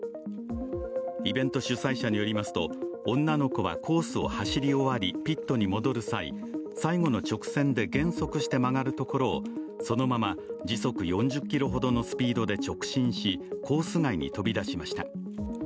イベント主催者によりますと、女の子はコースを走り終わりピットに戻る際、最後の直線で減速して曲がるところを、そのまま時速４０キロほどのスピードで直進し、コース外に飛び出しました。